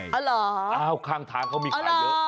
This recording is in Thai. อ๋อเหรออ๋อเหรออ๋อเหรออ้าวข้างทางเขามีใครเยอะ